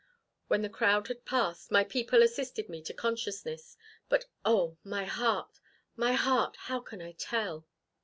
When the crowd had passed, my people assisted me to consciousness, but oh, my heart my heart! How can I tell?"